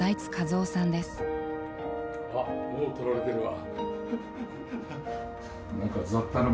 あっもう撮られてるわ。